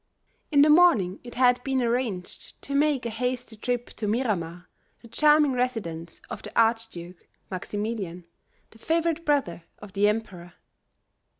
In the morning it had been arranged to make a hasty trip to Miramar, the charming residence of the Archduke Maximilian, the favorite brother of the emperor.